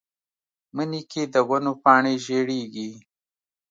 مني کې د ونو پاڼې ژیړیږي